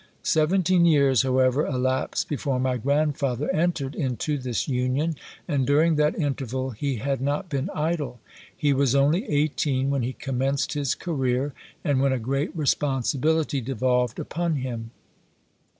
Seventeen years, however, elapsed before my grandfather entered into this union, and during that interval he had not been idle. He was only eighteen when he commenced his career, and when a great responsibility devolved upon him.